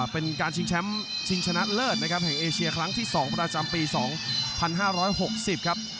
เป็นการชิงแชมป์ชิงชนะเลิศนะครับแห่งเอเชียครั้งที่๒ประจำปี๒๕๖๐ครับ